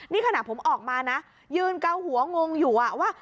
นี่ขณะผมออกมานะยืนเกาหัวงงอยู่ว่า